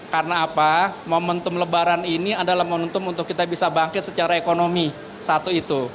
karena apa momentum lebaran ini adalah momentum untuk kita bisa bangkit secara ekonomi satu itu